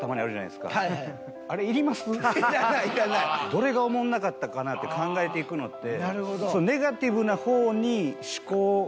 どれがおもんなかったかなって考えていくのって。